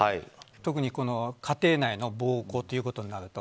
特に家庭内の暴行ということになると。